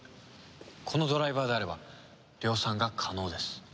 このドライバーであれば量産が可能です。